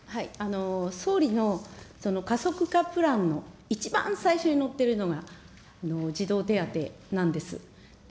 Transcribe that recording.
総理の加速化プランの一番最初に載ってるのが、児童手当なんです。